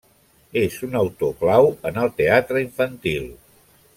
És un autor clau en el teatre infantil.